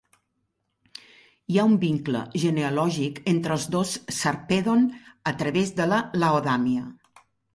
Hi ha un vincle genealògic entre els dos Sarpèdon, a través de Laodamia.